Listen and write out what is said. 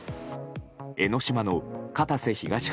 江の島の片瀬東浜